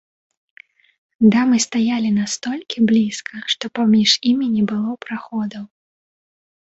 Дамы стаялі настолькі блізка, што паміж імі не было праходаў.